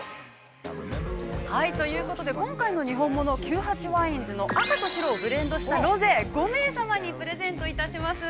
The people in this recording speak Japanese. ◆ということで、今回のにほんもの「９８ＷＩＮＥｓの赤と白をブレンドしたロゼ」を５名様にプレゼントします。